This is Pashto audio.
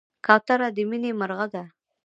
کوتره د مینې مرغه ده.